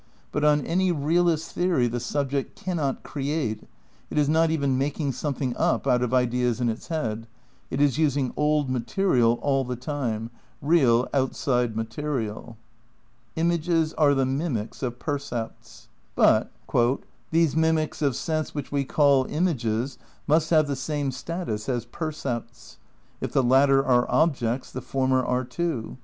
But on any realist theory the subject cannot create; it is not even making something "up" out of ideas in its head; it is using old material all the time, real outside material. "Images are the mimics of percepts." * But, "These mimics of sense which we call images must have the same status as percepts. If the latter are objects the former are too.